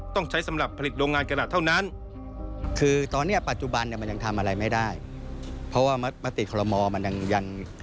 ต้องใช้สำหรับผลิตโรงงานการรัฐเท่านั้น